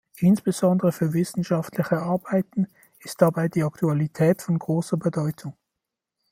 Insbesondere für wissenschaftliche Arbeiten ist dabei die Aktualität von großer Bedeutung.